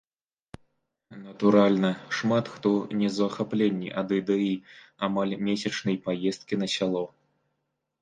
Натуральна, шмат хто не ў захапленні ад ідэі амаль месячнай паездкі на сяло.